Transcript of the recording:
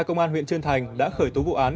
công an huyện trân thành đã khởi tố vụ án